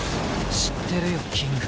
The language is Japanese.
知ってるよキング。